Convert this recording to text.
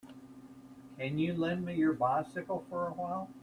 Can you lend me your bycicle for a while.